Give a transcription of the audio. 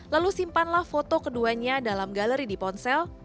lalu simpanlah foto keduanya dalam galeri di ponsel